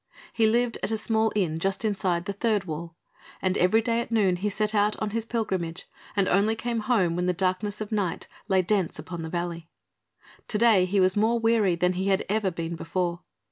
He lived at a small inn just inside the third wall, and every day at noon he set out upon his pilgrimage and only came home when the darkness of the night lay dense upon the valley. To day he was more weary than he had ever been before.